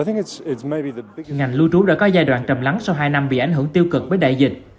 ngành lưu trú đã có giai đoạn trầm lắng sau hai năm bị ảnh hưởng tiêu cực với đại dịch